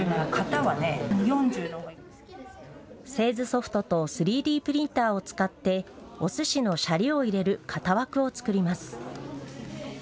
製図ソフトと３Ｄプリンターを使っておすしのしゃりを入れる型枠を作ります。